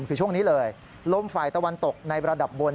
คือช่วงนี้เลยลมฝ่ายตะวันตกในระดับบน